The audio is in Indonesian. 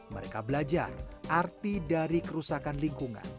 mereka belajar arti dari kerusakan lingkungan